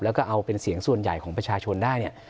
แล้วก็เอาเป็นเสียงส่วนใหญ่ของประชาชนได้เนี่ย